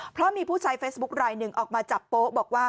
เพราะมีผู้ใช้เฟซบุ๊คลายหนึ่งออกมาจับโป๊ะบอกว่า